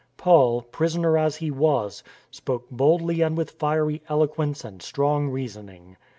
Paul, prisoner as he was, spoke boldly and with fiery eloquence and strong reasoning.